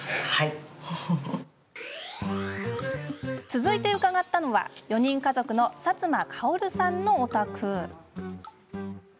続いて伺ったのは４人家族の薩摩馨子さんのお宅。